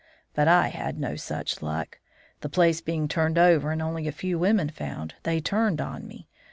"But I had no such luck. The place being turned over, and only a few women found, they turned on me.